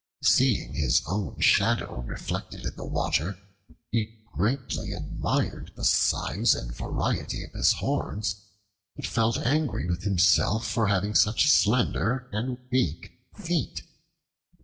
Seeing his own shadow reflected in the water, he greatly admired the size and variety of his horns, but felt angry with himself for having such slender and weak feet.